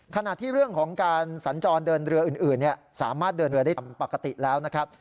ขณะที่เรื่องของการสัญจรเดินเรืออื่นสามารถเดินเรือได้ตามปกติแล้วนะครับ